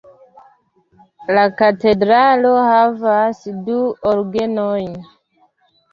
La katedralo havas du orgenojn.